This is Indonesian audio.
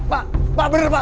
pak pak bener pak